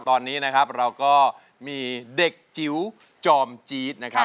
ตอนนี้นะครับเราก็มีเด็กจิ๋วจอมจี๊ดนะครับ